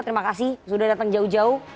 terima kasih sudah datang jauh jauh